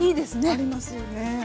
ありますよね。